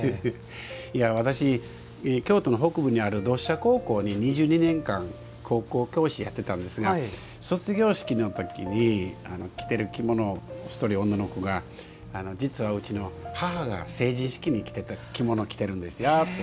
私、京都の北部にある同志社高校に２２年間高校教師をやってたんですが卒業式の時に着てる着物１人女の子が実はうちの母が成人式に着てた着物を着てるんですよって。